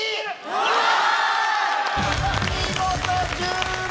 うわ！